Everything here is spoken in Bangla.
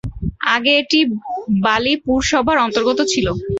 আগে এটি বালি পুরসভার অন্তর্গত ছিল।